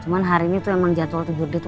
cuman hari ini tuh emang jadwal tidur dia tuh